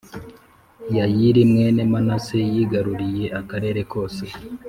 Yayiri g mwene manase yigaruriye akarere kose